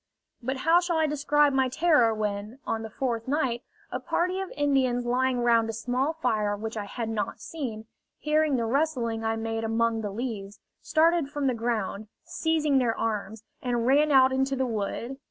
But how shall I describe my terror when, on the fourth night, a party of Indians lying round a small fire which I had not seen, hearing the rustling I made among the leaves, started from the ground, seizing their arms, and ran out into the wood?